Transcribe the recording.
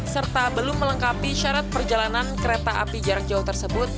serta belum melengkapi syarat perjalanan kereta api jarak jauh tersebut